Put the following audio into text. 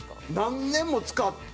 何年も使って。